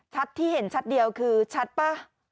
ที่เห็นชัดเดียวคือชัดป่ะ